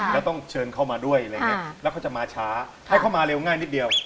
แล้วต้องเชิญเข้ามาด้วยอะไรอย่างนี้แล้วเขาจะมาช้าให้เขามาเร็วง่ายนิดเดียว